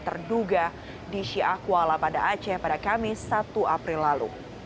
terduga di syiah kuala pada aceh pada kamis satu april lalu